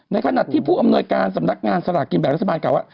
ขณะที่ผู้อำนวยการสำนักงานสลากกินแบบรัฐบาลกล่าวว่า